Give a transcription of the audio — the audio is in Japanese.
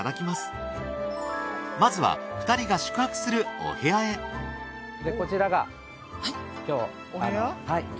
まずは２人が宿泊するお部屋へこちらが。